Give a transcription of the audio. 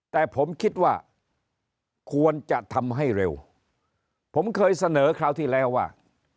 แต่ผมคิดว่าควรจะทำให้เร็วผมเคยเสนอคราวที่แล้วว่า